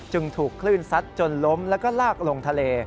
ถูกคลื่นซัดจนล้มแล้วก็ลากลงทะเล